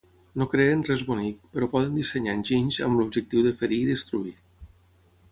No creen res bonic, però poden dissenyar enginys amb l'objectiu de ferir i destruir.